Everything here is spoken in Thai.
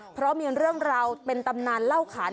เพราะมีเรื่องราวเป็นตำนานเล่าขาน